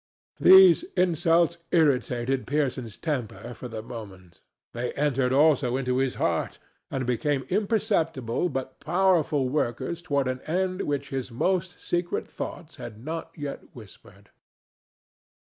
These insults irritated Pearson's temper for the moment; they entered also into his heart, and became imperceptible but powerful workers toward an end which his most secret thought had not yet whispered.